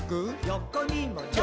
よこにも。